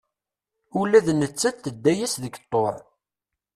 Ula d nettat tedda-yas deg ṭṭuɛ.